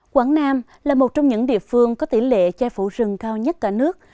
quảng nam là một trong những địa phương có tỷ lệ chai phủ rừng cao nhất cả nước